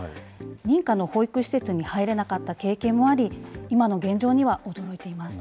認可の保育施設に入れなかった経験もあり、今の現状には驚いています。